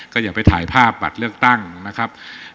ก็อย่าไปถ่ายภาพบัตรเลือกตั้งนะครับ